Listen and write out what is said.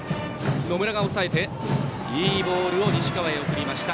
野村が押さえていいボールを西川へ送りました。